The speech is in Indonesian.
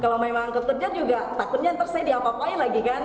kalau memang kekejar juga takutnya nanti saya diapa apai lagi kan